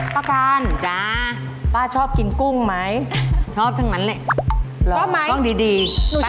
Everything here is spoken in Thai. ป้าปันจ้าป้าชอบกินกุ้งไหมชอบทั้งมันเลยลองดีชอบไหม